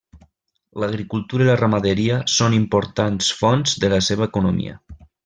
L'agricultura i la ramaderia són importants fonts de la seva economia.